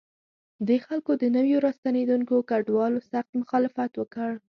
دې خلکو د نویو راستنېدونکو کډوالو سخت مخالفت وکړ.